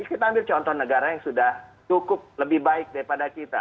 kita ambil contoh negara yang sudah cukup lebih baik daripada kita